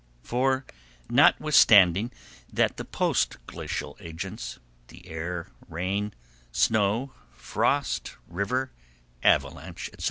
For, notwithstanding the post glacial agents—the air, rain, snow, frost, river, avalanche, etc.